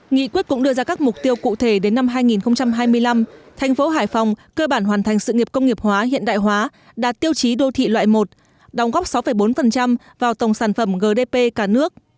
nghị quyết cũng đưa ra các mục tiêu cụ thể đến năm hai nghìn hai mươi năm thành phố hải phòng cơ bản hoàn thành sự nghiệp công nghiệp hóa hiện đại hóa đạt tiêu chí đô thị loại một đóng góp sáu bốn vào tổng sản phẩm gdp cả nước